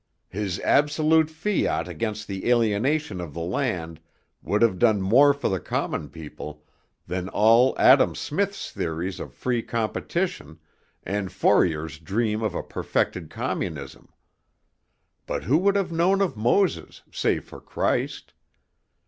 His absolute fiat against the alienation of the land would have done more for the common people than all Adam Smith's theories of free competition, and Fourier's dream of a perfected communism. But who would have known of Moses, save for Christ?